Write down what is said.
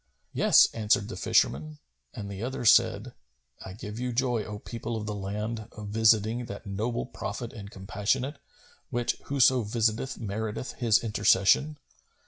"Yes," answered the fisherman, and the other said, "I give you joy, O people of the land, of visiting[FN#257] that noble Prophet and compassionate, which whoso visiteth meriteth his intercession!